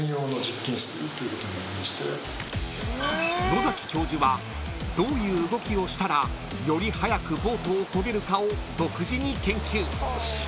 ［野崎教授はどういう動きをしたらより速くボートをこげるかを独自に研究］